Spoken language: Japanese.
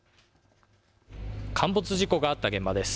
陥没事故があった現場です。